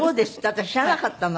私知らなかったの。